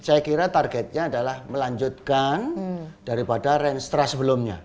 saya kira targetnya adalah melanjutkan daripada renstra sebelumnya